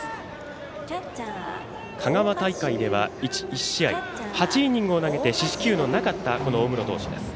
香川大会では１試合、８イニングを投げて四死球のなかった大室投手です。